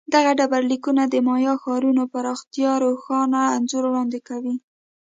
دغه ډبرلیکونه د مایا ښارونو پراختیا روښانه انځور وړاندې کوي